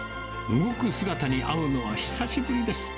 動く姿に会うのは久しぶりです。